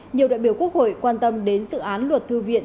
nhiều đại biểu quốc hội quan tâm đến dự án luật thư viện